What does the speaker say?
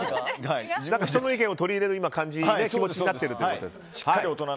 人の意見を取り入れられる気持ちになっているということで。